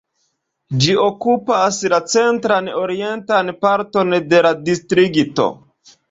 Ĝi okupas la centran orientan parton de la distrikto.